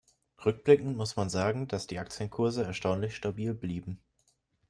Rückblickend muss man sagen, dass die Aktienkurse erstaunlich stabil blieben.